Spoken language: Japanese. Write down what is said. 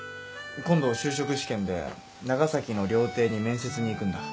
今度就職試験で長崎の料亭に面接に行くんだ。